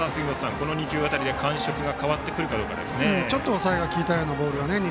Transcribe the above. この２球辺りで感触が変わるかどうかですね。